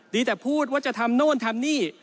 ดีแต่พูดว่าจะทำโน่นทำนี่